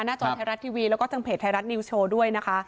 จอไทยรัฐทีวีแล้วก็ทางเพจไทยรัฐนิวโชว์ด้วยนะคะ